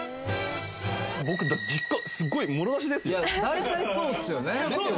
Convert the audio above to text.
僕、実家すごいもろだしですよ。